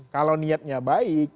kalau niatnya baik